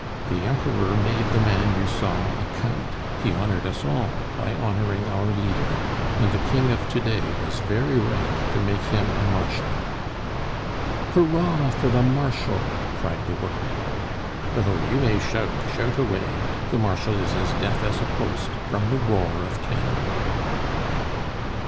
The Emperor made the man you saw a Count; he honored us all by honoring our leader; and the King of to day was very right to make him a Marshal." "Hurrah for the Marshal!" cried the workman. "Oh, you may shout shout away! The Marshal is as deaf as a post from the roar of cannon."